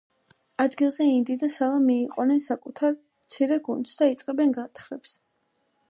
ადგილზე ინდი და სალა მიიყვანენ საკუთარ, მცირე გუნდს და იწყებენ გათხრებს.